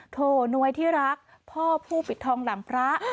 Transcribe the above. โถนวยที่รักพ่อผู้ปิดทองหลังพระ